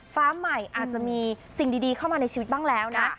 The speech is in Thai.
ฟ้าใหม่อาจจะมีสิ่งดีเข้ามาในชีวิตบ้างแล้วนะ